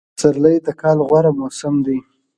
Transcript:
پسرلی دکال غوره موسم دی